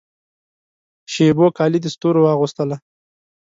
شېبو کالي د ستورو واغوستله